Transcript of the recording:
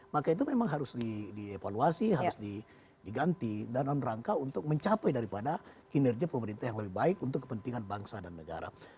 maka itu memang harus dievaluasi harus diganti dan rangka untuk mencapai daripada kinerja pemerintah yang lebih baik untuk kepentingan bangsa dan negara